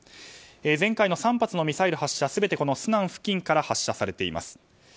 前回の３発のミサイル発射はスナン付近から発射されています。